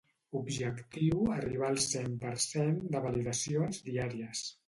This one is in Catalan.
Objectiu arribar al cent per cent de validacions diàries